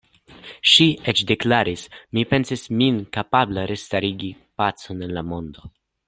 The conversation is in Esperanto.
Ŝi eĉ deklaris: Mi pensis min kapabla restarigi pacon en la mondo..